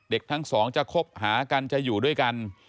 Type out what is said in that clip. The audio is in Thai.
ทั้งสองจะคบหากันจะอยู่ด้วยกัน